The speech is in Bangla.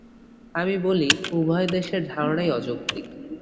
আমি বলি, উভয় দেশের ধারণাই অযৌক্তিক।